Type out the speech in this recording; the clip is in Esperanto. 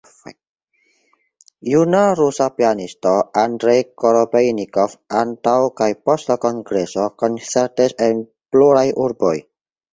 Juna rusa pianisto Andrej Korobejnikov antaŭ kaj post la kongreso koncertis en pluraj urboj.